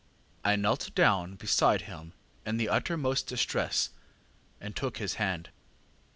ŌĆ£I knelt down beside him in the uttermost distress, and took his hand.